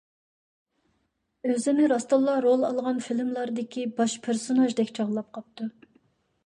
ئۆزىنى راستتىنلا رول ئالغان فىلىملاردىكى باش پېرسوناژدەك چاغلاپ قاپتۇ.